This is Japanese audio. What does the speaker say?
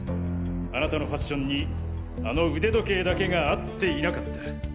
あなたのファッションにあの腕時計だけが合っていなかった。